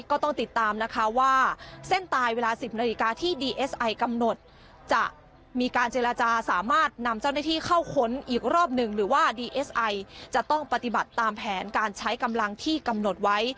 ก็ต้องติดตามนะคะว่าเส้นตายเวลา๑๐นาฬิกาที่ดีเอสไอกำหนดจะมีการเจรจาสามารถนำเจ้าหน้าที่เข้าค้นอีกรอบหนึ่งหรือว่าดีเอสไอจะต้องปฏิบัติตามแผนการใช้กำลังที่กำหนดไว้